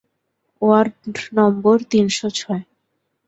Word number তিন শ ছয়।